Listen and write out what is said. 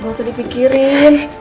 gak usah dipikirin